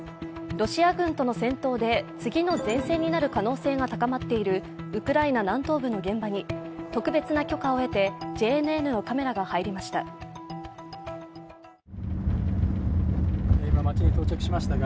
ロシア軍との戦闘で次の前線になる可能性が高まっているウクライナ南東部の現場に特別な許可を得てＪＮＮのカメラが入りました。